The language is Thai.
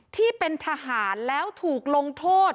ที่เป็นทหารแล้วถูกลงโทษ